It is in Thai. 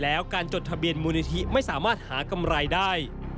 แล้วการจดทะเบียนมูลนิธิไม่สามารถหากำไรได้